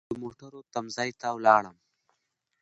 د موټرو تم ځای ته ولاړم.